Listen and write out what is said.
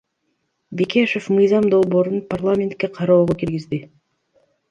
Бекешев мыйзам долбоорун парламентке кароого киргизди.